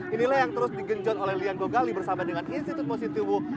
inilah yang terus digenjot oleh lian gogali bersama dengan institut mositiwu